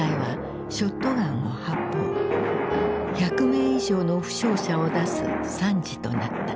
１００名以上の負傷者を出す惨事となった。